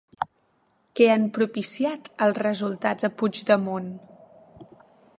Què han propiciat els resultats a Puigdemont?